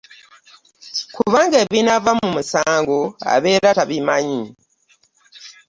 Kuba ebinaava mu musango abeera tabimanyi .